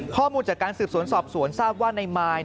ข้อมูลจากการสืบสวนสอบสวนทราบว่าในมาย